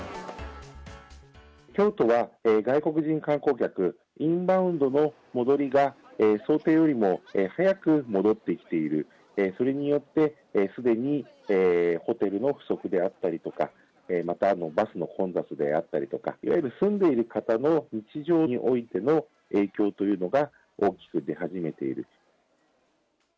京都は外国人観光客、インバウンドの戻りが、想定よりも早く戻ってきている、それによって、すでにホテルの不足であったりとか、またバスの混雑であったりとか、いわゆる住んでいる方の日常においての影響というのが大きく出始めている。